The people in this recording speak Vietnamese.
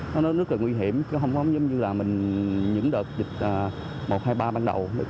nó rất là nguy hiểm không giống như là mình những đợt dịch một hai ba ban đầu